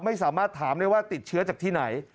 ไม่สามารถถามได้ว่าติดเชื้อจากที่ไหน